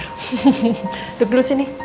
duduk dulu sini